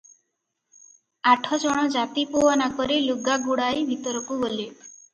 ଆଠ ଜଣ ଜାତିପୁଅ ନାକରେ ଲୁଗା ଗୁଡାଇ ଭିତରକୁ ଗଲେ ।